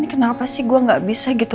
kenapa sih gue gak bisa gitu